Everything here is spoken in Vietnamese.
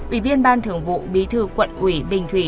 ủy viên ban thường vụ bi thư quận ủy bình thủy